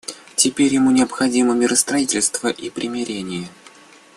Теперь ему необходимо миростроительство и примирение.